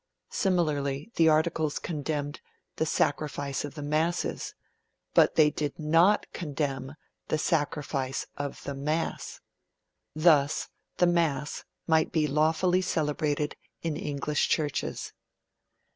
Similarly, the Articles condemned 'the sacrifices of masses', but they did not condemn 'the sacrifice of the Mass'. Thus, the Mass might be lawfully celebrated in English Churches.